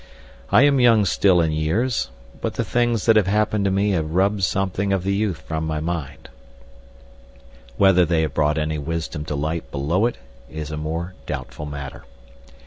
I am young still in years, but the things that have happened to me have rubbed something of the youth from my mind. Whether they have brought any wisdom to light below it is a more doubtful matter.